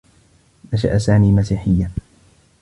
نشأ سامي مسيحيّا.